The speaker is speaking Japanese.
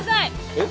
えっ？